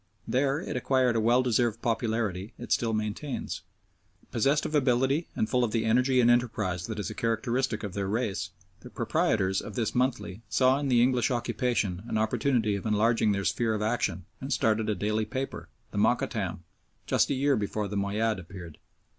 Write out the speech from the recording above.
There it acquired a well deserved popularity it still maintains. Possessed of ability, and full of the energy and enterprise that is a characteristic of their race, the proprietors of this monthly saw in the English occupation an opportunity of enlarging their sphere of action and started a daily paper, the Mokattam, just a year before the Moayyad appeared.